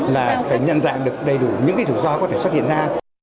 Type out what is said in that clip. là phải nhân dạng được đầy đủ những rủi ro có thể xuất hiện ra